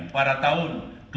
pada tahun dua ribu sembilan